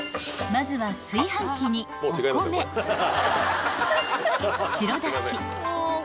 ［まずは炊飯器にお米白だし